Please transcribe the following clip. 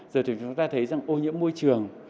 giờ thì chúng ta thấy rằng ô nhiễm môi trường